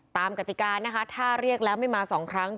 กติกานะคะถ้าเรียกแล้วไม่มาสองครั้ง